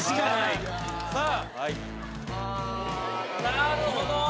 なるほど！